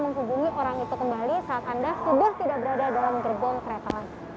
menghubungi orang itu kembali saat anda sudah tidak berada